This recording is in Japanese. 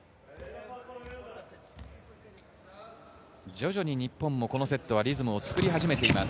徐々に日本もこのセット、リズムを作り始めています。